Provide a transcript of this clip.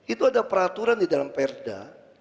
itu ada peraturan di dalam perda